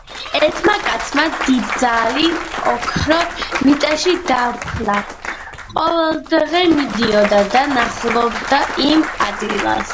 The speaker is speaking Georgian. ერთმა კაცმა დიდძალი ოქრო მიწაში დაფლა. ყოველდღე მიდიოდა და ნახულობდა იმ ადგილს